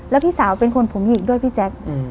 แล้วพี่สาวเป็นคนผมหญิงด้วยพี่แจ๊ค